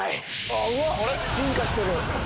あれ⁉進化してる！